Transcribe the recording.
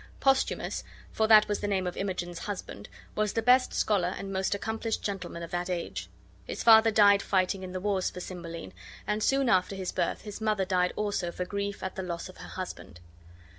Posthumus (for that was the name of Imogen's husband) was the best scholar and most accomplished gentleman of that age. His father died fighting in the wars for Cymbeline, and soon after his birth his mother died also for grief at the loss of her husband.